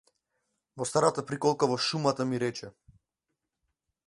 Во старата приколка во шумата ми рече.